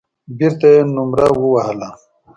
بېرته يې نومره ووهله.